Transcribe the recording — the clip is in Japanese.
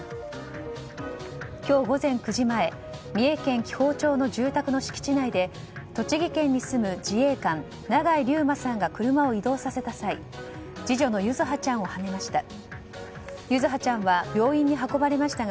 今日午前９時前三重県紀宝町の住宅の敷地内で栃木県に住む自衛官永井竜馬さんが車を移動させた際次女の柚葉ちゃんをはねました。